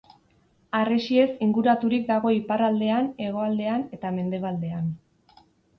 Harresiez inguraturik dago iparraldean, hegoaldean eta mendebaldean.